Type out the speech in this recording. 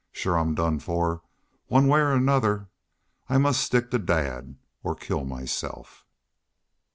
"Shore I'm done for, one way or another.... I must stick to Dad.... or kill myself?"